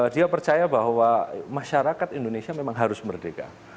dia percaya bahwa masyarakat indonesia memang harus merdeka